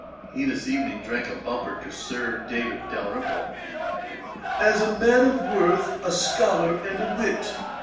He this evening drank a bumper to Sir David Dalrymple, 'as a man of worth, a scholar, and a wit.'